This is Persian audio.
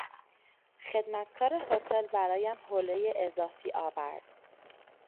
خدمتکار هتل برایم حولهی اضافی آورد.